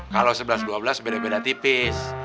kalo sebelas dua dua beda beda tipis